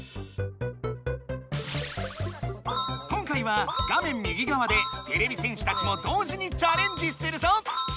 今回は画面右がわでてれび戦士たちも同時にチャレンジするぞ！